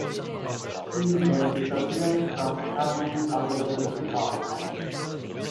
She then disappears from currently available records.